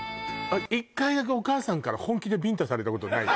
１回だけお母さんから本気でビンタされたことない？